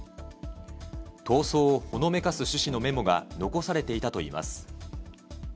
逃走をほのめかす趣旨のメモが残されていたといいます。